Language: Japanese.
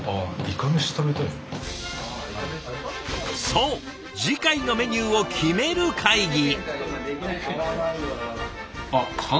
そう次回のメニューを決める会議。